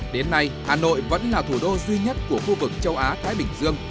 đến nay hà nội vẫn là thủ đô duy nhất của khu vực châu á thái bình dương